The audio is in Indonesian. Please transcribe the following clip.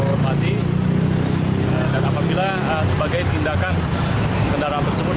dan apabila sebagai tindakan kendaraan tersebut